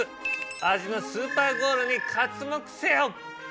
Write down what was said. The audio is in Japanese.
味のスーパーゴールに刮目せよ！